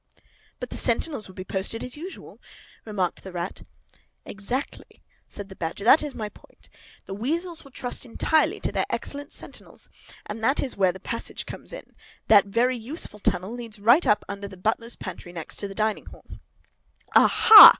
"But the sentinels will be posted as usual," remarked the Rat. "Exactly," said the Badger; "that is my point. The weasels will trust entirely to their excellent sentinels. And that is where the passage comes in. That very useful tunnel leads right up under the butler's pantry, next to the dining hall!" "Aha!